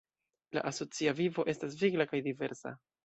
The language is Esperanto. La asocia vivo estas vigla kaj diversa.